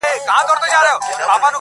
نور به د کابل دحُسن غله شړو،